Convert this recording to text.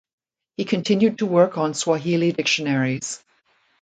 He continued to work on Swahili dictionaries.